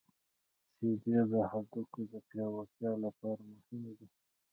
• شیدې د هډوکو د پیاوړتیا لپاره مهمې دي.